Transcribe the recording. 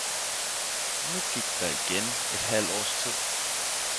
Nu gik der igjen et halvt aars tid